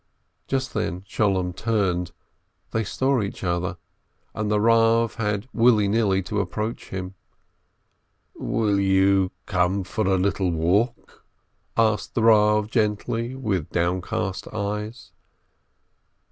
Just then Sholem turned, they saw each other, and the Eav had willy nilly to approach him. "Will you come for a little walk?" asked the Eav gently, with downcast eyes.